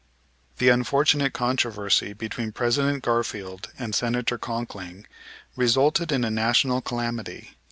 The unfortunate controversy between President Garfield and Senator Conkling resulted in a national calamity.